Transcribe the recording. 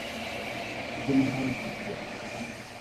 Dim-hoonte-tia.